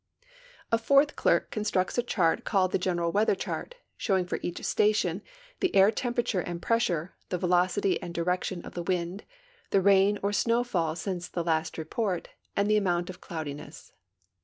A fourth clerk constructs a chart called the general weather chart, showing for each station the air temperature and ])ressure, the velocit}'^ and direction of the wind, the rain or snow fall since the last report, and the amount of cloudiness.